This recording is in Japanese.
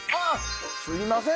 すいません